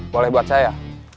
boleh buat saya